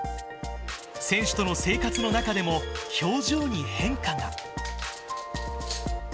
選手との生活の中でも、表情に変化が。